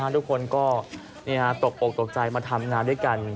ทุกคนก็ตกอกตกใจมาทำงานด้วยกัน